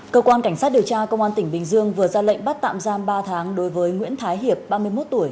cơ quan cảnh sát điều tra công an tỉnh bình dương vừa ra lệnh bắt tạm giam ba tháng đối với nguyễn thái hiệp ba mươi một tuổi